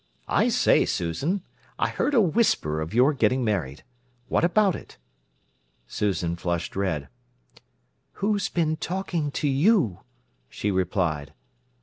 "I say, Susan, I heard a whisper of your getting married. What about it?" Susan flushed red. "Who's been talking to you?" she replied.